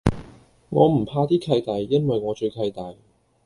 我唔怕啲契弟，因為我最契弟